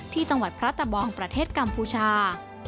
ที่จังหวัดพระตะบองประเทศกัมพูชา